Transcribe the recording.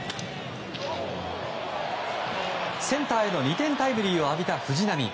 センターへの２点タイムリーを浴びた藤浪。